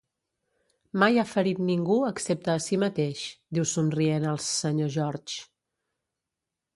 "Mai ha ferit ningú excepte a si mateix" diu somrient el Sr. George.